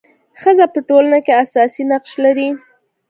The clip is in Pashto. ښځه په ټولنه کي اساسي نقش لري.